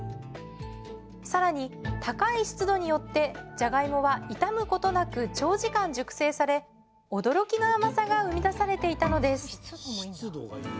更に高い湿度によってじゃがいもは傷むことなく長時間熟成され驚きの甘さが生み出されていたのです